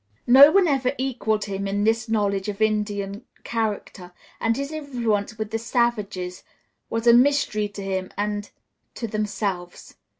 No one ever equaled him in his knowledge of Indian character, and his influence with the savages was a mystery to him and to themselves.